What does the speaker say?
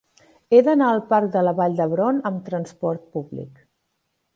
He d'anar al parc de la Vall d'Hebron amb trasport públic.